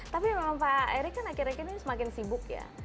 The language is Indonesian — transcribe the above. tapi memang pak erik kan akhir akhir ini semakin sibuk ya